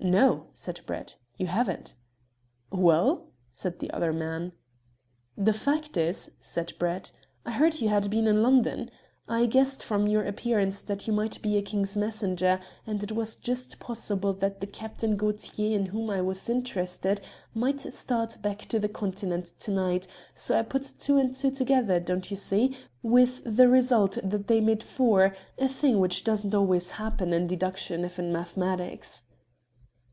"No," said Brett, "you haven't." "Well?" said the other man. "The fact is," said Brett, "I heard you had been in London. I guessed from your appearance that you might be a King's messenger, and it was just possible that the Captain Gaultier in whom I was interested might start back to the Continent to night, so I put two and two together, don't you see, with the result that they made four, a thing which doesn't always happen in deduction if in mathematics."